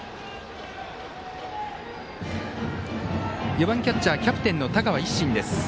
４番、キャッチャーキャプテンの田川一心です。